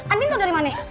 anin itu dari mana